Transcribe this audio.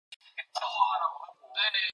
상대가 짝이 기울면 길래 살게 되나요.